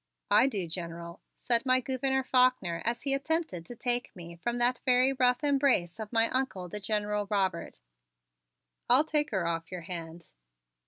"I do, General," said my Gouverneur Faulkner as he attempted to take me from that very rough embrace of my Uncle, the General Robert. "I'll take her off your hands."